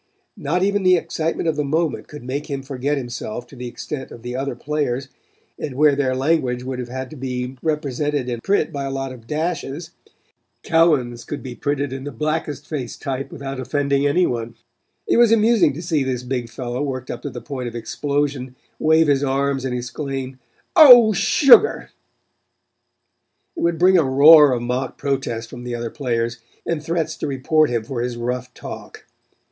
Not even the excitement of the moment could make him forget himself to the extent of the other players, and where their language would have to be represented in print by a lot of dashes, Cowan's could be printed in the blackest face type without offending anyone. It was amusing to see this big fellow, worked up to the point of explosion, wave his arms and exclaim: "Oh, sugar!" It would bring a roar of mock protest from the other players, and threats to report him for his rough talk.